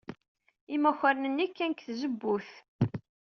Imakaren-nni kkan seg tzewwut.